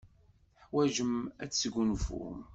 Teḥwajem ad tesgunfum.